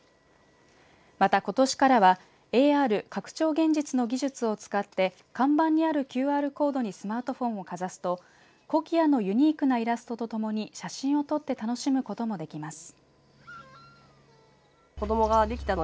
またことしからはＡＲ＝拡張現実の技術を使って看板にあるＱＲコードにスマートフォンをかざすとコキアのユニークなイラストとともに写真を撮って楽しむこともできます。